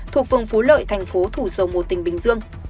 thuộc phường phú lợi tp thủ sầu một tỉnh bình dương